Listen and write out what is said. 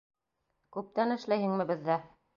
Күптән эшләйһеңме беҙҙә?